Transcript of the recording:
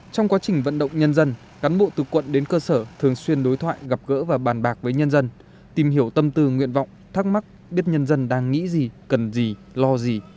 tấn bộ từ quận đến cơ sở thường xuyên đối thoại gặp gỡ và bàn bạc với nhân dân tìm hiểu tâm tư nguyện vọng thắc mắc biết nhân dân đang nghĩ gì cần gì lo gì